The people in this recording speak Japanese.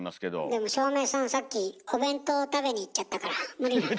でも照明さんさっきお弁当食べに行っちゃったから無理なのよ。